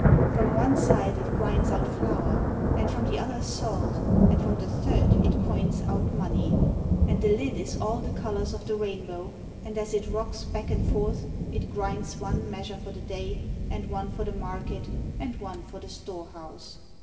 From one side it grinds out flour, and from the other salt, and from the third it coins out money. And the lid is all the colours of the rainbow, and as it rocks back and forth it grinds one measure for the day, and one for the market and one for the storehouse.